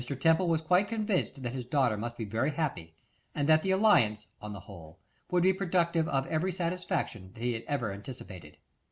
Temple was quite convinced that his daughter must be very happy, and that the alliance, on the whole, would be productive of every satisfaction that he had ever anticipated.